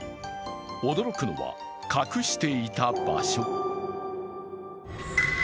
驚くのは隠していた場所。